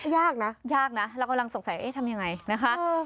ยากนะยากนะเรากำลังสงสัยเอ๊ะทำยังไงนะคะ